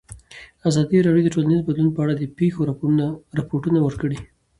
ازادي راډیو د ټولنیز بدلون په اړه د پېښو رپوټونه ورکړي.